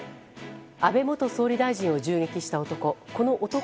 安倍元総理大臣を銃撃した男。